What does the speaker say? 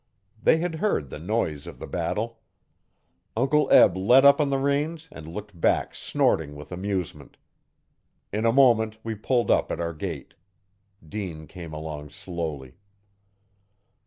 They had heard the noise of the battle. Uncle Eb let up on the reins and looked back snorting with amusement. In a moment we pulled up at our gate. Dean came along slowly.